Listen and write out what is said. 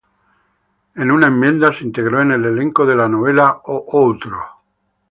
En una enmienda, se integró en el elenco de la novela O Outro.